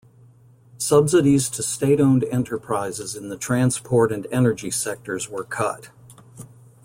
Subsidies to state-owned enterprises in the transport and energy sectors were cut.